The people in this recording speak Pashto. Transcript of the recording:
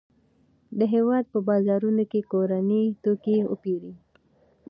د هېواد په بازارونو کې کورني توکي وپیرئ.